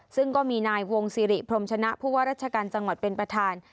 ซึ่งก็มีนายวงศิริพรมชนะผู้ว่าราชการจังหวัดเป็นประธาน